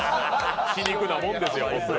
皮肉なもんですよ、本当に。